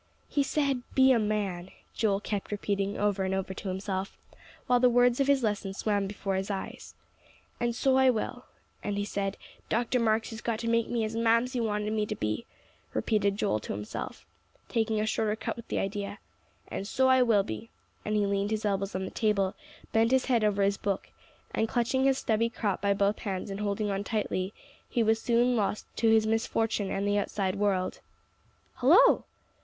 "He said, 'Be a man,'" Joel kept repeating over and over to himself, while the words of his lesson swam before his eyes. "And so I will; and he said, Dr. Marks had got to make me as Mamsie wanted me to be," repeated Joel to himself, taking a shorter cut with the idea. "And so I will be." And he leaned his elbows on the table, bent his head over his book, and clutching his stubby crop by both hands and holding on tightly, he was soon lost to his misfortune and the outside world. "Hullo!"